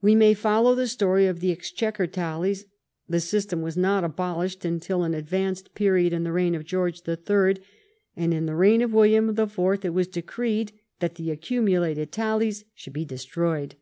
We may follow the story of the Exchequer tallies. The system was not abolished until an advanced period in the reign of Gkorge the Third, and in the reign of William the Fourth it was decreed that the accumu lated tallies should be destroyed.